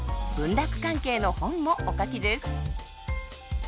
文楽関係の本もお書きです。